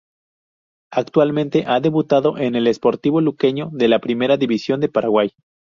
Actualmente ha debutado en el Sportivo Luqueño de la Primera División de Paraguay.